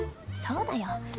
そうだよ。